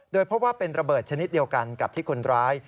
โดยพบว่าเป็นระเบิดชนิดเดียวกันกับที่คนร้าย